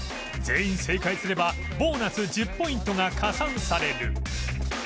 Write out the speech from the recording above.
全員正解すればボーナス１０ポイントが加算される